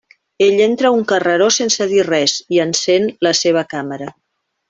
Ell entra a un carreró sense dir res i encén la seva càmera.